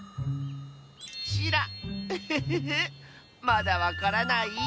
まだわからない？